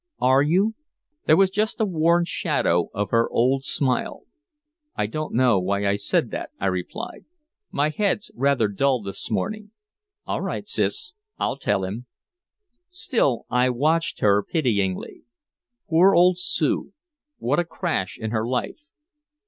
"Are you?" There was just a worn shadow of her old smile. "I don't know why I said that," I replied. "My head's rather dull this morning. All right, Sis, I'll tell him." Still I watched her pityingly. Poor old Sue. What a crash in her life.